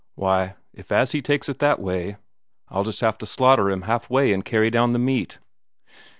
"Why, if as he takes it that way, I'll just have to slaughter him half way and carry down the meat."